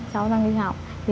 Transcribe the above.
cháu đang đi học